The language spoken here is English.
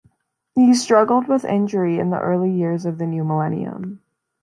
He struggled with injury in the early years of the new millennium.